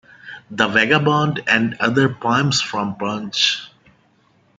"The Vagabond and Other Poems from Punch".